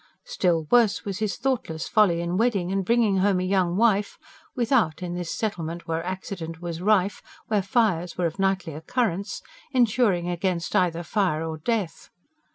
Still worse was his thoughtless folly in wedding and bringing home a young wife without, in this settlement where accident was rife, where fires were of nightly occurrence, insuring against either fire or death.